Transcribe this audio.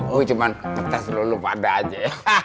oh cuma kertas lu lupa ada aja